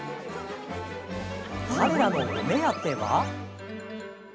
彼らのお目当ては？